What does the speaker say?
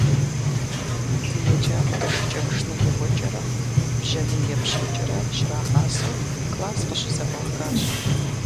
Ди еджапӏэм шыкӏэпшынэ еуэкӏэрэ, бжьэмий епщэкӏэрэ щрагъасэу класс къыщызэӏуахащ.